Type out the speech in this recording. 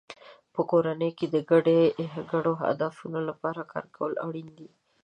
په کورنۍ کې د ګډو هدفونو لپاره کار کول اړین دی.